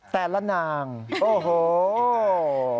แต่ละนางโอ้โฮ